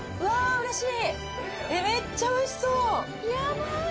うれしい。